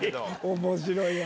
面白いわ！